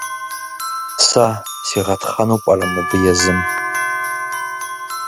Сэ сигъэтхъэну пӏэрэ мыбы езым?